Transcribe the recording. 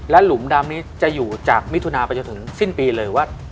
หลุมดำนี้จะอยู่จากมิถุนาไปจนถึงสิ้นปีเลยว่า